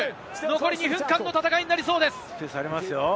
残り２分間の戦いになりそうです。